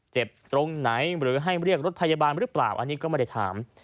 เจ็บตรงไหนหรือให้เรียกรถพยาบาลหรือเปล่าอันนี้ก็ไม่ได้ถาม